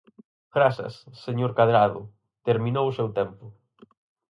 Grazas, señor Cadrado, terminou o seu tempo.